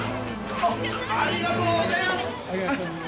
ありがとうございます。